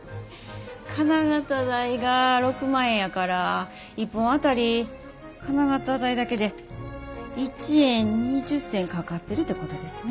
金型代が６万円やから一本当たり金型代だけで１円２０銭かかってるてことですね。